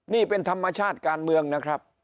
นี่เป็นธรรมชาติการเมืองนะครับ